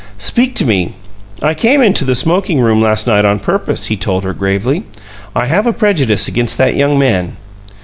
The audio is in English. "Speak to me. I came into the smoking room last night 'on purpose,'" he told her, gravely. "I have a prejudice against that young man."